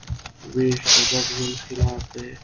وېش د ګډ ژوند خلاف دی.